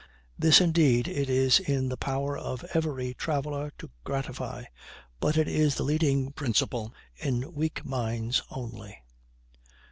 This, indeed, it is in the power of every traveler to gratify; but it is the leading principle in weak minds only.